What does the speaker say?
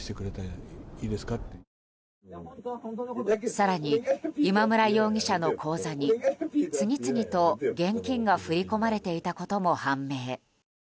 更に今村容疑者の口座に次々と現金が振り込まれていたことも判明。